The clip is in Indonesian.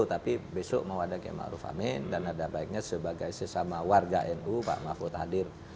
tapi besok mau ada kiai ⁇ maruf ⁇ amin dan ada baiknya sebagai sesama warga nu pak mahfud hadir